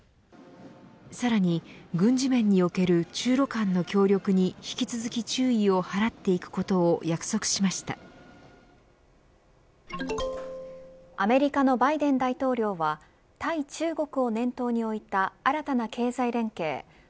さらに軍事面における中露間の協力に引き続き注意を払っていくことをアメリカのバイデン大統領は対中国を念頭に置いた新たな経済連携